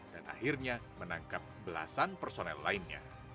dan akhirnya menangkap belasan personel lainnya